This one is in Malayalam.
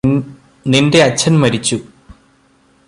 നിന്റെ അച്ഛന് മരിച്ചു